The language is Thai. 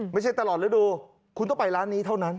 ไม่ใช่ตลอดฤดูคุณต้องไปร้านนี้เท่านั้น